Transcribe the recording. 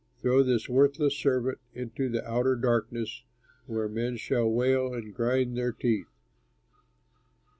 Throw this worthless servant into the outer darkness where men shall wail and grind their teeth.'"